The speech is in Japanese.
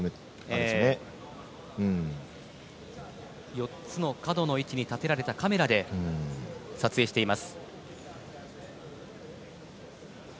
４つの角の位置に立てられたカメラで撮影しています。